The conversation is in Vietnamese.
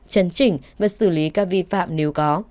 chấn chỉnh và xử lý các vi phạm nếu có